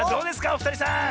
おふたりさん。